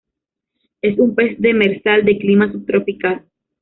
Es un pez demersal de clima subtropical.